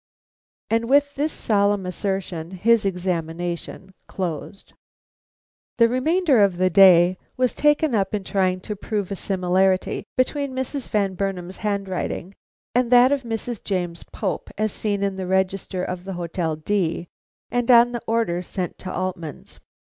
And with this solemn assertion his examination closed. The remainder of the day was taken up in trying to prove a similarity between Mrs. Van Burnam's handwriting and that of Mrs. James Pope as seen in the register of the Hotel D and on the order sent to Altman's.